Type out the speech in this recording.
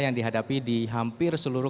yang dihadapi di hampir seluruh